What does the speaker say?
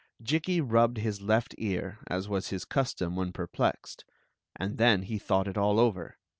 Jikki rubbed his left ear, as was his custom when perplexed ; "and, then he thought it all over.